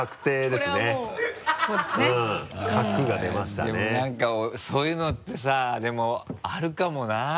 でも何かそういうのってさでもあるかもな？